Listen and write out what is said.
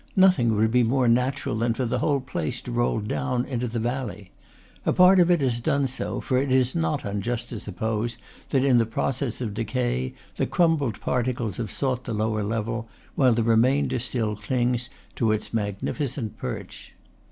Nothing would be more natural than for the whole place to roll down into the valley. A part of it has done so for it is not unjust to suppose that in the process of decay the crumbled particles have sought the lower level; while the remainder still clings to its magnificent perch.